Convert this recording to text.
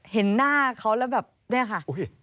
เห็นหน้าเขาแล้วแบบเนี่ยค่ะ